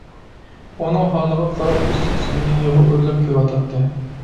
ئۇنىڭ ھالىغا قاراپ ئىچ-ئىچىمدىن يىغا ئۆرلەپ كېلىۋاتاتتى.